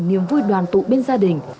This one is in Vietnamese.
niềm vui đoàn tụ bên gia đình